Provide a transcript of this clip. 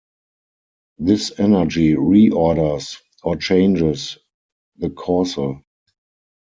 This energy re-orders, or changes, the causal.